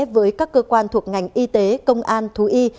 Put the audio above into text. với các cơ quan thuộc ngành y tế công an thú y